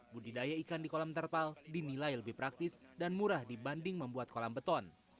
budidaya ikan di kolam terpal dinilai lebih praktis dan murah dibanding membuat kolam beton